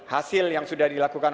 hasil yang sudah dilakukan